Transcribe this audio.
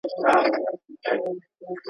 کښته راغی ورته کښېنستی پر مځکه.